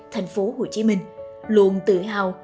tp hcm luôn tự hào